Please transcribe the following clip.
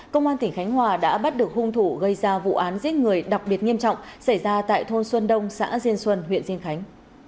công an tỉnh khánh hòa đã bắt được hung thủ gây ra vụ án giết người đặc biệt nghiêm trọng xảy ra tại thôn xuân đông xã diên xuân huyện diên khánh